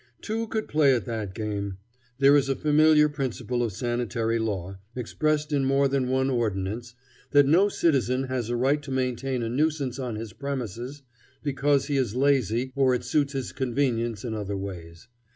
Two could play at that game. There is a familiar principle of sanitary law, expressed in more than one ordinance, that no citizen has a right to maintain a nuisance on his premises because he is lazy or it suits his convenience in other ways.